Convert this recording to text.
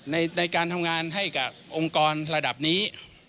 ในการทำงานให้กับองค์กรระดับนี้